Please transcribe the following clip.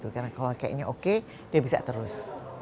karena kalau kayaknya oke dia bisa terus